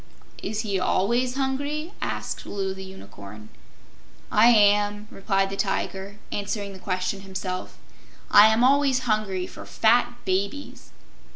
"Is he ALWAYS hungry?" asked Loo the Unicorn. "I am," replied the Tiger, answering the question himself. "I am always hungry for fat babies."